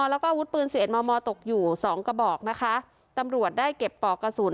แล้วก็อาวุธปืนสิบเอ็มมตกอยู่สองกระบอกนะคะตำรวจได้เก็บปอกกระสุน